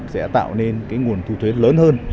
sẽ tạo nên nguồn thu thuế lớn hơn